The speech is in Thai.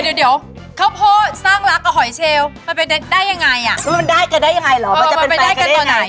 อย่ามันจะเป็นไปได้ต่อไหน